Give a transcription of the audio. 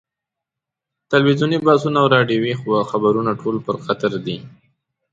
تلویزیوني بحثونه او راډیویي خبرونه ټول پر قطر دي.